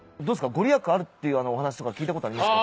御利益あるっていうお話とか聞いたことありますか？